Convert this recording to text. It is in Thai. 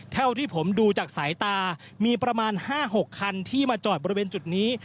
เท่าที่ผมดูจากสายตามีประมาณ๕๖คันที่มาจอดบริเวณจุดนี้